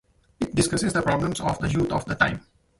It discusses the problems of the youth of the time.